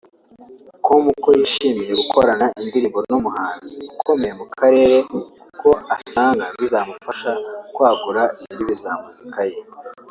com ko yishimiye gukorana indirimbo n’umuhanzi ukomeye mu karere kuko asanga bizamufasha kwagura imbibi za muzika ye